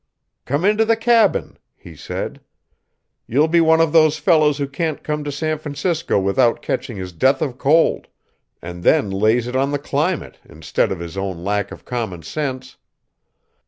"Come into the cabin," he said. "You'll be one of those fellows who can't come to San Francisco without catching his death of cold, and then lays it on to the climate instead of his own lack of common sense.